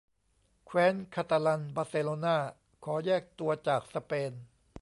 แคว้นคาตาลันบาร์เซโลน่าขอแยกตัวจากสเปน